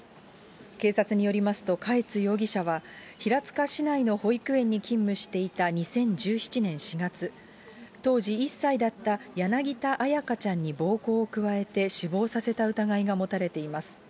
警察によりますと、嘉悦容疑者は、平塚市内の保育園に勤務していた２０１７年４月、当時１歳だった柳田彩花ちゃんに暴行を加えて死亡させた疑いが持たれています。